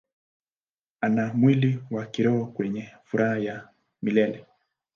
Ana mwili wa kiroho wenye furaha ya milele.